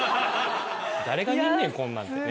誰が見んねんこんなんってね。